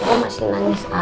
oh masih nangis aja